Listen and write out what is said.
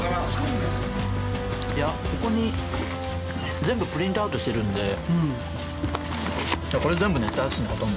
いや、ここに全部プリントアウトしてるんで。これ、全部ネタですね、ほとんど。